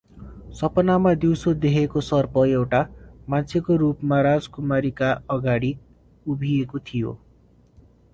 सपनामा दिउँसो देखेको सर्प एउटा मान्छेको रूपमा राजकुमारका अगाडि उभिएको थियो ।